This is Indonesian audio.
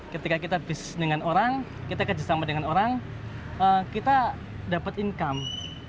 ketika kita bisnis dengan orang kita kerjasama dengan orang kita dapat income